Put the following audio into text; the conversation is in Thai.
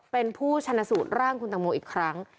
เป็นผู้ชนะสูตรร่างคุณตังโมอีกครั้ง